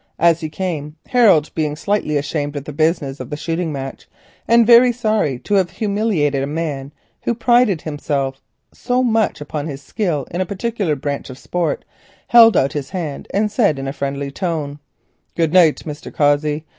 As he came, Harold being slightly ashamed of the business of the shooting match, and very sorry to have humiliated a man who prided himself so much upon his skill in a particular branch of sport, held out his hand and said in a friendly tone: "Good night, Mr. Cossey.